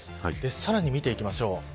さらに見ていきましょう。